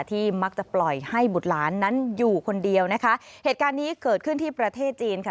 ที่มักจะปล่อยให้บุตรหลานนั้นอยู่คนเดียวนะคะเหตุการณ์นี้เกิดขึ้นที่ประเทศจีนค่ะ